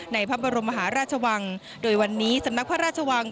พระบรมมหาราชวังโดยวันนี้สำนักพระราชวัง